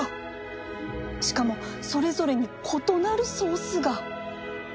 しかもそれぞれに異なるソースが